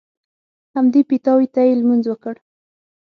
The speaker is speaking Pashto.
همدې پیتاوي ته یې لمونځ وکړ.